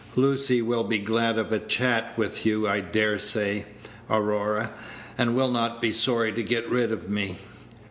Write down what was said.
Lucy will be glad of a chat with you, I dare say, Aurora, and will not be sorry to get rid of me."